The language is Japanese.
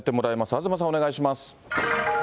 東さんお願いします。